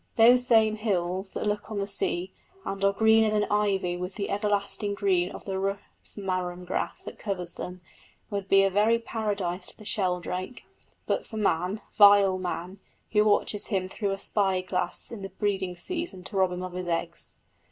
These same hills that look on the sea, and are greener than ivy with the everlasting green of the rough marram grass that covers them, would be a very paradise to the sheldrake, but for man vile man! who watches him through a spy glass in the breeding season to rob him of his eggs.